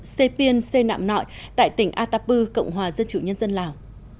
xe piên xe nạm nọi tại tỉnh atapu cộng hòa dân chủ nhân dân lào